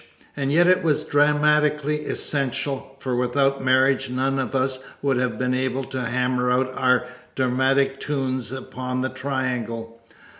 And yet it was dramatically essential, for without marriage none of us would have been able to hammer out our dramatic tunes upon the triangle.